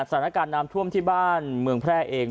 สถานการณ์น้ำท่วมที่บ้านเมืองแพร่เอง